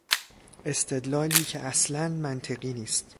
استدلالی که اصلا منطقی نیست.